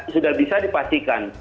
sudah bisa dipastikan